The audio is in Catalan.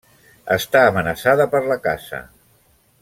Està amenaçada per la caça.